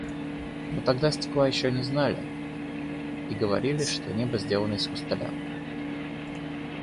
Но тогда еще стекла не знали и говорили, что небо сделано из хрусталя.